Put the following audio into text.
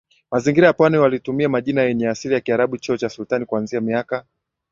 mazingira ya Pwani walitumia majina yenye asili ya Kiarabu cheo cha Sultan kuanzia miaka